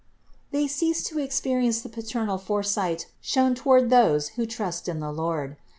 They cease to experience the paternal foresight shown toward those who trust in the Lord.